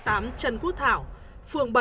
trần quốc thảo phường bảy